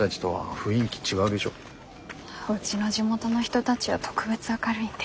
うちの地元の人たちは特別明るいんで。